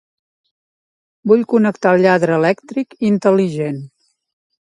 Vull connectar el lladre elèctric intel·ligent.